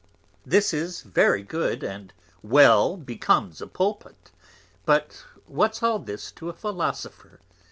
This is very Good, and well becomes a Pulpit; but what's all this to a Philosopher?